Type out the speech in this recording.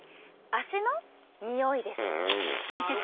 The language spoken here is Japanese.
足のにおいです。